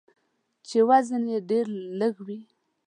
چې وزن یې ډیر لږوي.